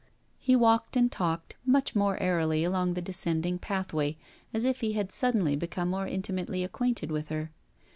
He walked and talked much more airily along the descending pathway, as if he had suddenly become more intimately acquainted with her.